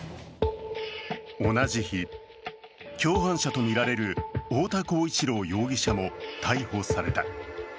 同じ日、共犯者とみられる太田浩一朗容疑者も逮捕された。